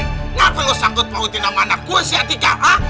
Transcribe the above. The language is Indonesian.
kenapa lo sanggup mau tinggal sama anak gue si atika